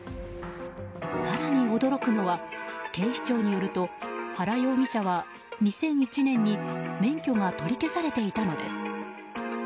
更に驚くのは警視庁によると、原容疑者は２００１年に免許が取り消されていたのです。